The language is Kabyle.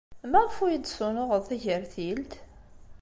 Maɣef ur iyi-d-tessunuɣeḍ tagertilt?